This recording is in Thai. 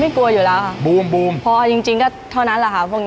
ไม่กลัวอยู่แล้วค่ะพอจริงก็เท่านั้นแหละค่ะพวกนี้